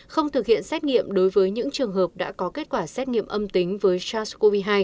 không thực hiện xét nghiệm đối với những trường hợp đã có kết quả xét nghiệm âm tính với sars cov hai